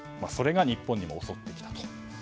それが日本にも襲ってきたと。